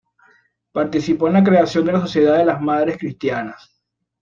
Participó en la creación de la Sociedad de las Madres Cristianas.